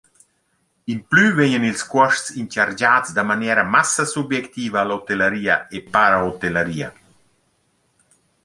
Implü vegnan ils cuosts inchargiats da maniera massa subjectiva a l’hotellaria e parahotellaria.